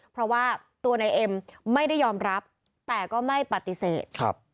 เพราะว่าตัวนายเอ็มไม่ได้ยอมรับแต่ก็ไม่ปฏิเสธ